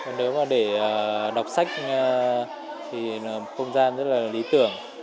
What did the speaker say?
nếu mà để đọc sách thì không gian rất là lý tưởng